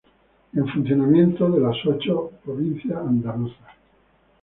en funcionamiento de las ocho provincias andaluzas